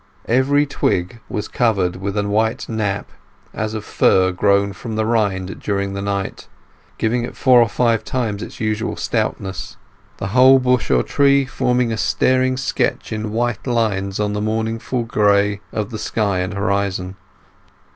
Every twig was covered with a white nap as of fur grown from the rind during the night, giving it four times its usual stoutness; the whole bush or tree forming a staring sketch in white lines on the mournful gray of the sky and horizon.